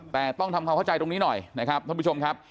แต่ต้องทำคำเข้าใจตรงนี้หน่อยเนี่ยครับคุณผู้ชม